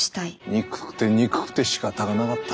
憎くて憎くてしかたがなかった。